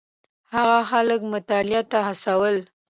هغه خلک مطالعې ته هڅول.